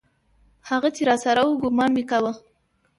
هغه چې راسره و ګومان مې کاوه.